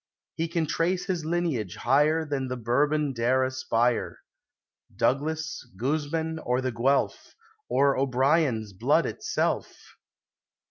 He can trace his lineage higher Than the Bourbon dare aspire, — Douglas, Guzman, or the Guelph, Or O'Brien's blood itself